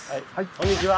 こんにちは！